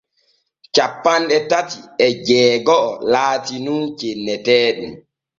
Cappanɗe tati e jeego’o laati nun cenneteeɗum.